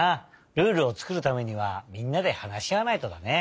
ルールをつくるためにはみんなではなしあわないとだね。